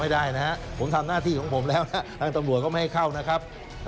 ไม่ได้นะฮะผมทำหน้าที่ของผมแล้วนะทางตำรวจก็ไม่ให้เข้านะครับ